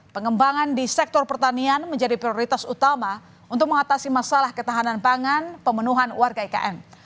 pengembangan di sektor pertanian menjadi prioritas utama untuk mengatasi masalah ketahanan pangan pemenuhan warga ikn